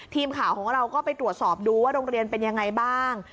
ทีมข่าวของเราก็ไปตรวจสอบดูว่าโรงเรียนเป็นยังไงบ้าง